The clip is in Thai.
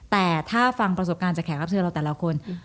แต่ถ้าฟังประสบการณ์จากแขกรับเชิญเราแต่ละคน